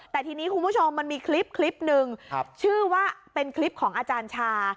แต่ทีนี้คุณผู้ชมมันมีคลิปคลิปหนึ่งชื่อว่าเป็นคลิปของอาจารย์ชา